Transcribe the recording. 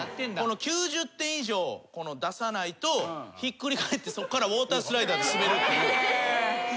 ９０点以上出さないとひっくり返ってそっからウオータースライダーで滑るっていう。